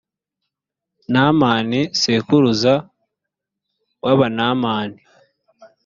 namani sekuruza w’abanamani.